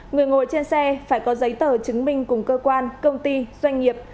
người ngồi trên xe phải có giấy tờ chứng minh cùng cơ quan công ty doanh nghiệp